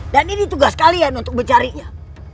dan ini tugas kalian untuk mencarinya